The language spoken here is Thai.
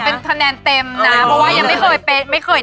ขอเป็นคะแนนเต็มนะเพราะว่ายังไม่เคยได้เลย